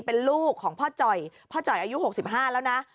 เป็นลูกของพ่อจ่อยพ่อจ่อยอายุ๖๕แล้วนะ